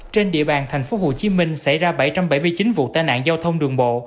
trên địa bàn tp hcm xảy ra bảy trăm bảy mươi chín vụ tai nạn giao thông đường bộ